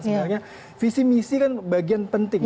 sebenarnya visi misi kan bagian penting